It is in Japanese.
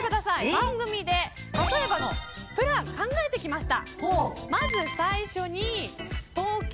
番組で例えばのプラン考えてきました。